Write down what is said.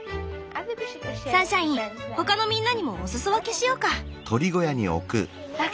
サンシャイン他のみんなにもおすそ分けしようか。